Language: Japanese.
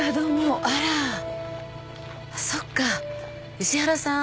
石原さん